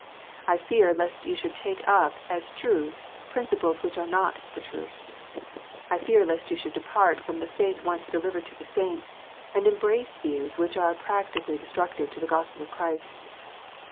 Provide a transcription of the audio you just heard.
I fear lest you should take up, as truths, principles which are not the truth. I fear lest you should depart from the faith once delivered to the saints, and embrace views which are practically destructive to the Gospel of Christ.